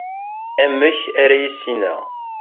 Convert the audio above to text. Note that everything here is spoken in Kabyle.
amek ara yissineɣ